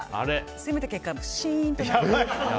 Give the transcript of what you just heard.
攻めた結果、シーンとなって。